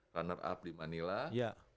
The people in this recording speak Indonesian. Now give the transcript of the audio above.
runner up di manila